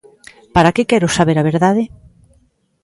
Para que quero saber a verdade?